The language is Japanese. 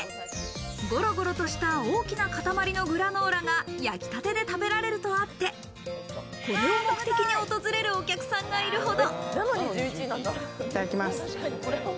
ゴロゴロとした大きな塊のグラノーラが焼きたてで食べられるとあって、これを目的に訪れるお客さんがいるほど。